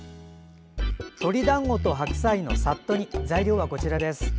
鶏だんごと白菜のさっと煮材料はこちらです。